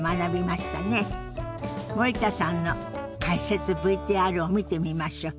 森田さんの解説ＶＴＲを見てみましょう。